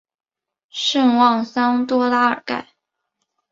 圣万桑多拉尔盖。